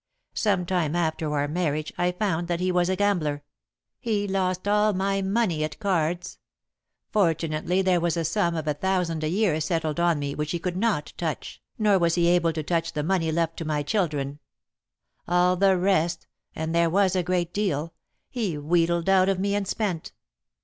Some time after our marriage I found that he was a gambler. He lost all my money at cards. Fortunately there was a sum of a thousand a year settled on me which he could not touch, nor was he able to touch the money left to my children. All the rest (and there was a great deal) he wheedled out of me and spent."